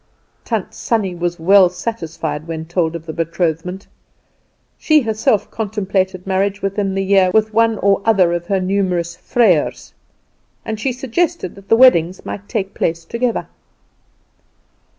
Tant Sannie was well satisfied when told of the betrothment. She herself contemplated marriage within the year with one or other of her numerous vrijers, and she suggested that the weddings might take place together.